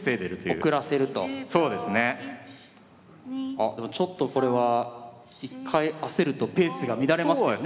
あでもちょっとこれは一回焦るとペースが乱れますよね。